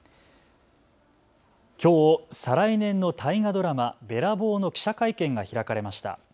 きょう再来年の大河ドラマ、べらぼうの記者会見が開かれました。